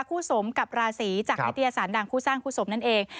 คู่สมกับราศีจากนิตยสารดังคู่สร้างคู่สมนั่นเอง